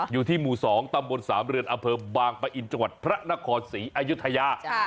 อยู่ที่หมู่๒ตำบลสามเรือนอำเภอบางปะอินจังหวัดพระนครศรีอายุทยา